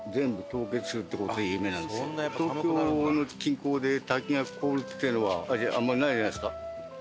東京の近郊で滝が凍るっていうのはあんまりないじゃないですか？